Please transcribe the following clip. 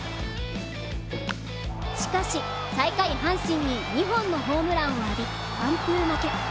しかし、最下位阪神に２本のホームランを浴び、完封負け。